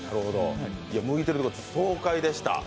むいてるところ爽快でした。